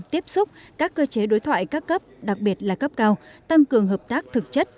tiếp xúc các cơ chế đối thoại các cấp đặc biệt là cấp cao tăng cường hợp tác thực chất